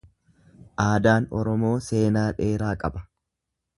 Aadaan Oromoo seenaa dheeraa qaba.